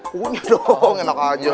punya dong enak aja loh